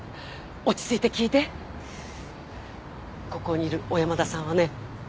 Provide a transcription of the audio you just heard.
落ち着いて聞いてここにいる小山田さんはね